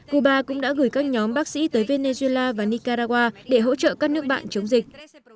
cuba cũng đã gửi các nhóm bác sĩ tới venezuela và nicaragua để hỗ trợ các nước bạn chống dịch